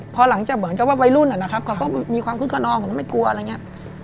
พอหลังจากเพราะวัยรุ่นอะนะครับก็มีความคุ้นกับน้องอ่ะทำให้ไม่กลัวแล้วเนี่ย